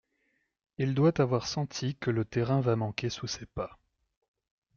Il doit avoir senti que le terrain va manquer sous ses pas.